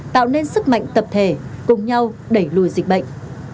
tạo nên sức mạnh tập thể cùng nhau đẩy lùi dịch bệnh